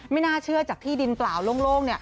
ไม่น่าเชื่อจากที่ดินเปล่าโล่ง